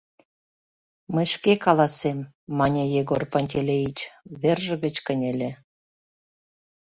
— Мый шке каласем, — мане Егор Пантелеич, верже гыч кынеле.